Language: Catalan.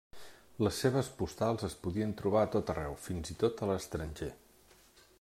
Les seves postals es podien trobar a tot arreu, fins i tot a l'estranger.